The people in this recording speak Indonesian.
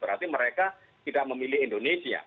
berarti mereka tidak memilih indonesia